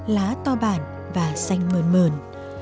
lá to bản và xanh mờn mờn